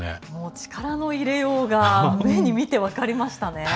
力の入れようが目に見て分かりましたね。